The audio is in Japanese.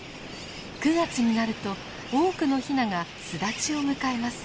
９月になると多くのヒナが巣立ちを迎えます。